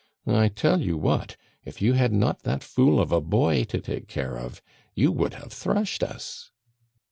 I tell you what, if you had not that fool of a boy to take care of, you would have thrashed us."